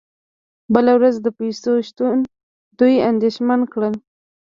بله ورځ د پیسو نشتون دوی اندیښمن کړل